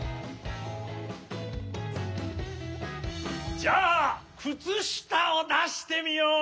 じゃあくつしたをだしてみよう！